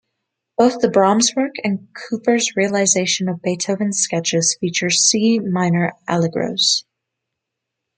Both the Brahms work and Cooper's realisation of Beethoven's sketches feature C-minor Allegros.